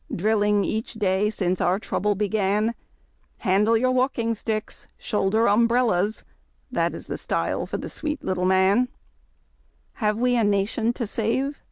Drilling each day since our trouble began, — 'Handle your walking sticks!" " IShoulder umbrellas!" That is the style for the sweet little man. SWEET LITTLK SIEN OF 'Gl. Have we a nation to save?